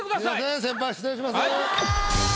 先輩失礼します。